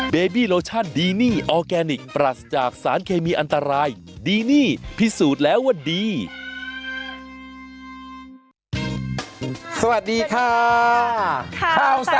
สวัสดีค่ะข้าวใส่ไทยสดใหม่